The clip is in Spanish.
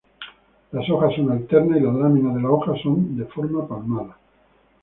Las hojas son alternas y las láminas de las hojas son de forma palmada.